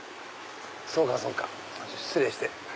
そうかそうか失礼して。